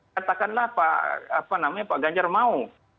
katakanlah pak ganjar mau